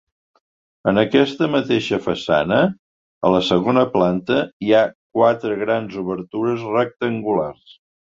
En aquesta mateixa façana, a la segona planta, hi ha quatre grans obertures rectangulars.